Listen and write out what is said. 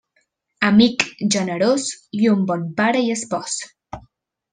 Amic generós i un bon pare i espòs.